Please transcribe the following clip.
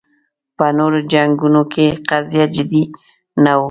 په نورو جنګونو کې قضیه جدي نه وه